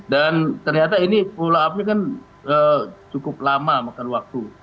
dan ternyata ini pull up nya kan cukup lama makan waktu